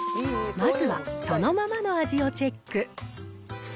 まずはそのままの味をチェック。